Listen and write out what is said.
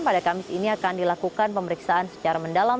pada kamis ini akan dilakukan pemeriksaan secara mendalam